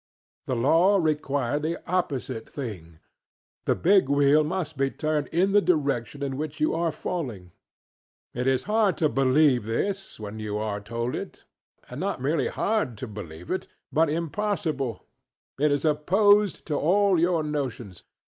The law required the opposite thingŌĆöthe big wheel must be turned in the direction in which you are falling. It is hard to believe this, when you are told it. And not merely hard to believe it, but impossible; it is opposed to all your notions.